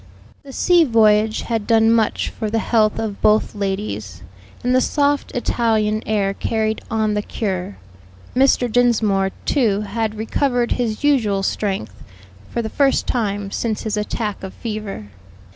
The sea voyage had done much for the health of both ladies, and the soft Italian air carried on the cure. Mr. Dinsmore, too, had recovered his usual strength, for the first time since his attack of fever.